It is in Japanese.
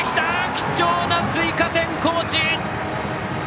貴重な追加点、高知！